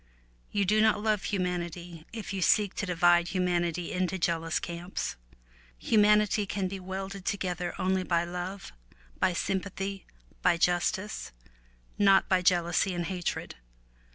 You do not love humanity if you seek to divide humanity into jealous camps. Humanity can be welded together only by love, by sympathy, by justice, not by jealousy and hatred.